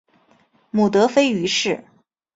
母德妃俞氏。